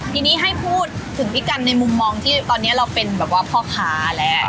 ทีนี้ให้พูดถึงพี่กันในมุมมองที่ตอนนี้เราเป็นแบบว่าพ่อค้าแล้ว